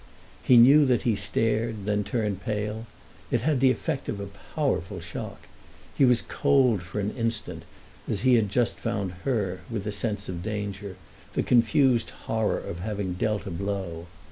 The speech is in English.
He knew that he stared, then turned pale; it had the effect of a powerful shock. He was cold for an instant, as he had just found her, with the sense of danger, the confused horror of having dealt a blow.